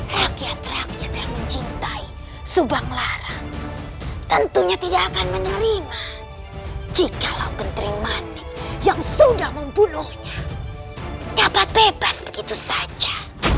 rakyat rakyat yang mencintai subang larang tentunya tidak akan menerima jikalau gentring manik yang sudah membunuhnya dapat bebas begitu saja